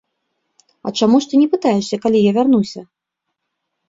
А чаму ж ты не пытаешся, калі я вярнуся?